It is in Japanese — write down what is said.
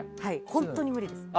本当に無理です。